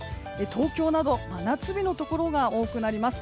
東京など真夏日のところが多くなります。